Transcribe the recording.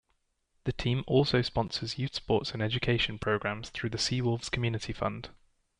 The team also sponsors youth sports and education programs through the SeaWolves Community Fund.